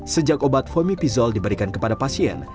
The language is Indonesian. sejak obat fomipizol diberikan kepada pasien